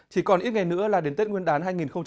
chỉ còn ít ngày nữa là đến tết nguyên đán hai nghìn hai mươi